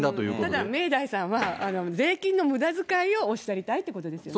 ただ明大さんは、税金のむだづかいをおっしゃりたいということですよね。